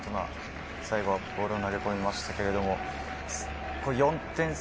最後はフォークを投げ込みましたけど４点差。